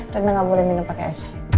raina gak boleh minum pakai es